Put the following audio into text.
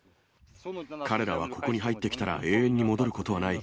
彼らはここに入ってきたら、永遠に戻ることはない。